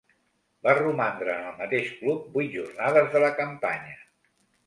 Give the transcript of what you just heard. Va romandre en el mateix club vuit jornades de la campanya.